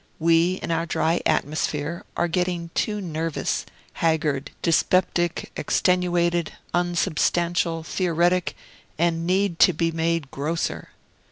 We, in our dry atmosphere, are getting too nervous, haggard, dyspeptic, extenuated, unsubstantial, theoretic, and need to be made grosser.